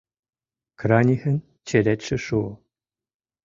Кранихын черетше шуо.